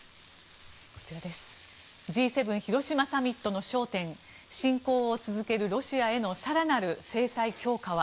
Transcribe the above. Ｇ７広島サミットの焦点侵攻を続けるロシアへの更なる制裁強化は？